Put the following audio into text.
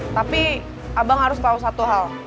tapi abang harus tahu satu hal